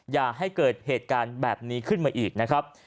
อย่าให้เกิดเหตุการณ์แบบนี้ขึ้นมาอีกนะครับ